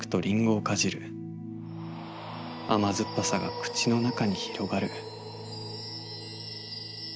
甘酸っぱさが口のなかに広がる。